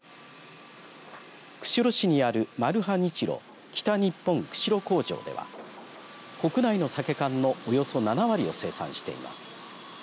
釧路市にあるマルハニチロ北日本釧路工場では国内のサケ缶のおよそ７割を生産しています。